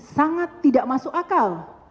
sangat tidak masuk akal